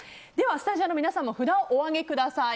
スタジオの皆さんも札をお上げください。